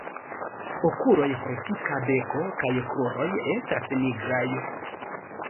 Okuloj, fortika beko kaj kruroj estas nigraj.